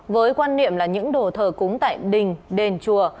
với quan niệm là những đồ thờ cúng tại đình đền chùa